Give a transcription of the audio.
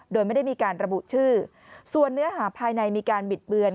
โดยไม่ได้มีการระบุชื่อส่วนเนื้อหาภายในมีการบิดเบือน